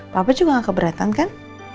papa juga gak keberatan kan